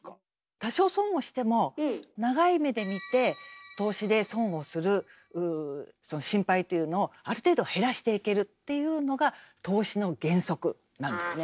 多少損をしても長い目で見て投資で損をする心配というのをある程度減らしていけるっていうのが投資の原則なんだよね。